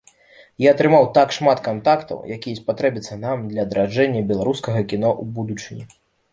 Я атрымаў там шмат кантактаў, якія спатрэбяцца нам для адраджэння беларускага кіно ў будучыні.